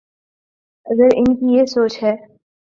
اگر ان کی یہ سوچ ہے۔